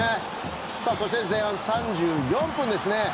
そして前半３４分ですね。